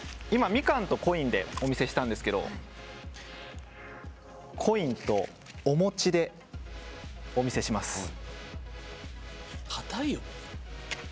今、みかんとコインでお見せしたんですけどコインとお餅でお見せします。